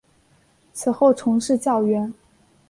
此后从事教员。